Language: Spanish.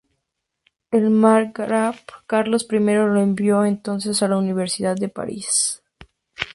El margrave Carlos I lo envió entonces a la Universidad de París.